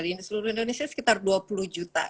di seluruh indonesia sekitar dua puluh juta